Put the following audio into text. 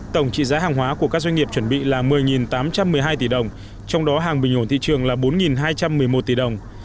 tổng trị giá hàng hóa của các doanh nghiệp chuẩn bị là một mươi tám trăm một mươi hai tỷ đồng trong đó hàng bình ổn thị trường là bốn hai trăm một mươi một tỷ đồng